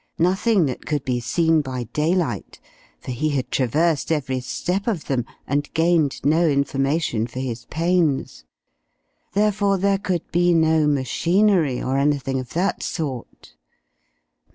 Nothing that could be seen by daylight, for he had traversed every step of them, and gained no information for his pains. Therefore there could be no machinery, or anything of that sort.